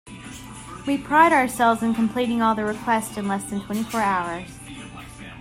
We pride ourselves in completing all requests in less than twenty four hours.